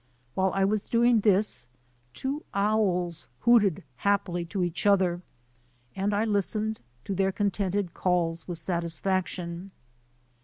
While I was doing this two owls hooted happily to each other and I lis tened to their contented calls with satisfaction.